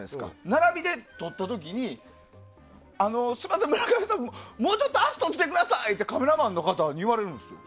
並びで撮った時にすみません、村上さんもうちょっと足を閉じてくださいってカメラマンさんに言われるんですよ。